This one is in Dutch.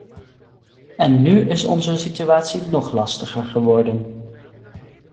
En nu is onze situatie nog lastiger geworden.